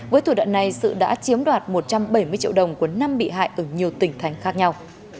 với thủ đoạn này sự đã chiếm đoạt một trăm bảy mươi triệu đồng của năm bị hại ở nhiều tỉnh thành khác nhau